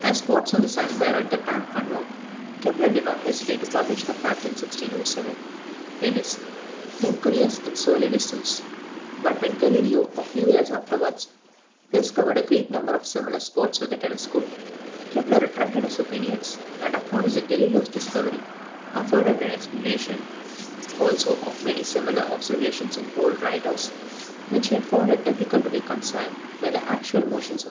As spots on the sun were at that time unknown, Kepler did not hesitate to publish the fact in 1607, in his Mercurius in Sole visus; but when Galileo, a few years afterwards, discovered a great number of similar spots with the telescope, Kepler retracted his opinions, and acknowledged that Galileo's discovery afforded an explanation, also, of many similar observations in old writers, which he had found it difficult to reconcile with the actual motions of Mercury.